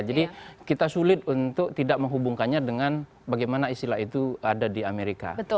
jadi kita sulit untuk tidak menghubungkannya dengan bagaimana istilah itu ada di amerika